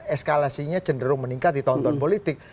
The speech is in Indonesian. eskalasinya cenderung meningkat di tahun tahun politik